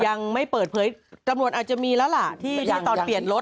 ยังไม่เปิดเผยตำรวจอาจจะมีแล้วล่ะที่ตอนเปลี่ยนรถ